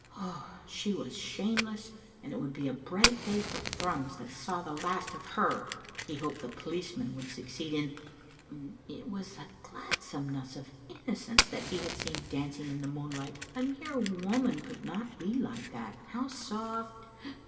Ah, she was shameless, and it would be a bright day for Thrums that saw the last of hef. He hoped the policemen would succeed in . It was the gladsomeness of innocence that he had seen dancing in the moonlight. A mere woman could not be like that. How soft